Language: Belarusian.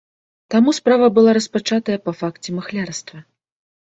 Таму справа была распачатая па факце махлярства.